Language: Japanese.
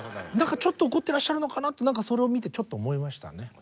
何かちょっと怒ってらっしゃるのかなってそれを見てちょっと思いましたね。